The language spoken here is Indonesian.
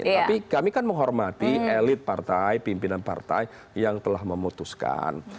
tapi kami kan menghormati elit partai pimpinan partai yang telah memutuskan